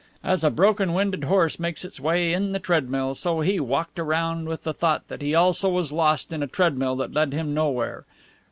As a broken winded horse makes its way in the treadmill, so he walked around with the thought that he also was lost in a treadmill that led him nowhere.